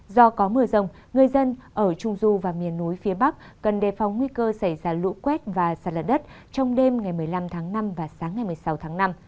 do có mưa rồng người dân ở trung du và miền núi phía bắc cần đề phòng nguy cơ xảy ra lũ quét và sạt lở đất trong đêm ngày một mươi năm tháng năm và sáng ngày một mươi sáu tháng năm